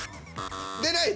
出ない！